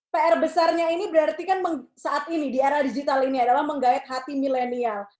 pr besarnya ini berarti kan saat ini di era digital ini adalah menggait hati milenial